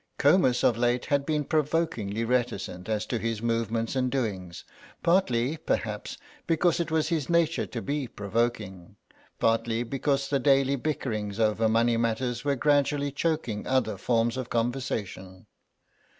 Comus of late had been provokingly reticent as to his movements and doings; partly, perhaps, because it was his nature to be provoking, partly because the daily bickerings over money matters were gradually choking other forms of conversation.